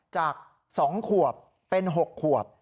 จาก๒ขวบเป็น๖ขวบ